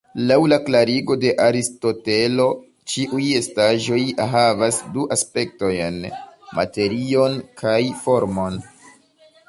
Laŭ la klarigo de Aristotelo, ĉiuj estaĵoj havas du aspektojn, "materion" kaj "formon.